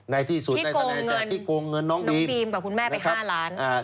ในที่สุดที่โกงเงินน้องบีมกว่าคุณแม่ไป๕ล้าน